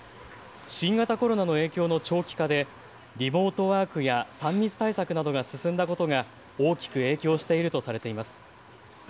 新型コロナの影響の長期化でリモートワークや３密対策などが進んだことが大きく影響しているとされています。